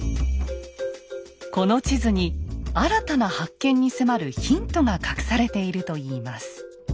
この地図に新たな発見に迫るヒントが隠されているといいます。